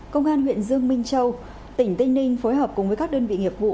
công an huyện dương minh châu tỉnh tinh ninh phối hợp cùng các đơn vị nghiệp vụ